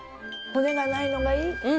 骨がないのがいい。